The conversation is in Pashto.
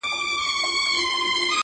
تور مېږي وه، سره مېږي وه، ښانګور وه!!